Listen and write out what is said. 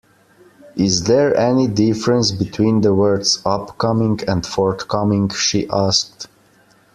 Is there any difference between the words Upcoming and forthcoming? she asked